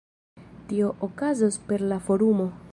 Tio okazos per la forumo.